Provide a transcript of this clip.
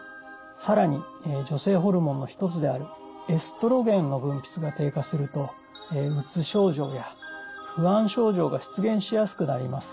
更に女性ホルモンの一つであるエストロゲンの分泌が低下するとうつ症状や不安症状が出現しやすくなります。